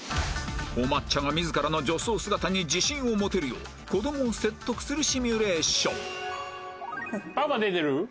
お抹茶が自らの女装姿に自信を持てるよう子どもを説得するシミュレーションパパ出てる？